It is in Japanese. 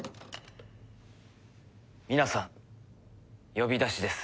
皆さん呼び出しです。